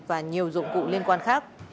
và nhiều dụng cụ liên quan khác